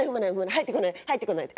入ってこない入ってこないで。